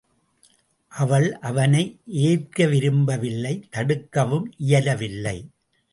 அவள் அவனை ஏற்க விரும்பவில்லை தடுக்கவும் இயலவில்லை.